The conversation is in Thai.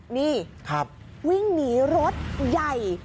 นี่วิ่งหนีรถใหญ่